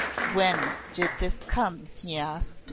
"When did this come?" he asked.